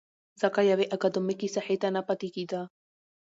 ځکه يوې اکادميکې ساحې ته نه پاتې کېده.